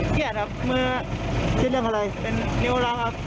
เกลียดครับเมื่อคิดเรียกว่าอะไรเป็นนิ้วราวครับ